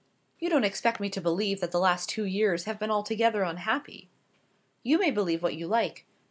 "You don't expect me to believe that the last two years have been altogether unhappy." "You may believe what you like.